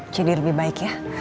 jadi lebih baik ya